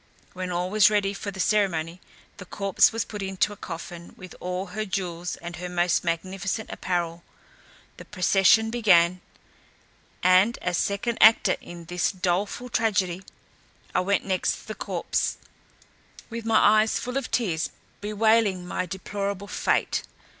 When all was ready for the ceremony, the corpse was put into a coffin, with all her jewels and her most magnificent apparel. The procession began, and as second actor in this doleful tragedy, I went next the corpse, with my eyes full of tears, bewailing my deplorable fate.